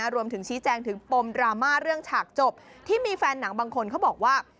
รวมถึงชี้แจงถึงปมดราม่าเรื่องฉากจบที่มีแฟนหนังบางคนเขาบอกว่า